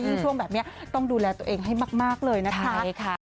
ช่วงแบบนี้ต้องดูแลตัวเองให้มากเลยนะคะ